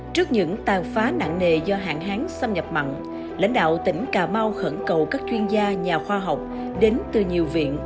trước những tàn phá nặng nề do hạn hán xâm nhập mặn lãnh đạo tỉnh cà mau khẩn cầu các chuyên gia nhà khoa học đến từ nhiều viện